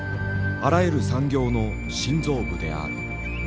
あらゆる産業の心臓部である。